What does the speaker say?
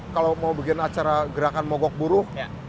kalau mau bikin acara gerakan mogok buruh